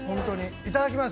いただきます！